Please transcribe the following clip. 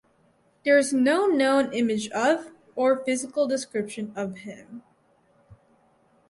There is no known image of or physical description of him.